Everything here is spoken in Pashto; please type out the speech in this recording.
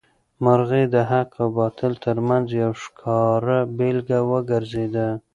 مرغۍ د حق او باطل تر منځ یو ښکاره بېلګه وګرځېده.